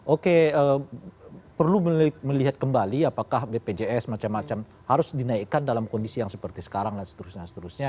oke perlu melihat kembali apakah bpjs macam macam harus dinaikkan dalam kondisi yang seperti sekarang dan seterusnya seterusnya